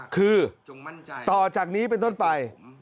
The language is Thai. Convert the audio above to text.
คือต่อจากนี้เป็นต้นไป